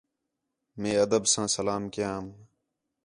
مئے ادب ساں سلام کیام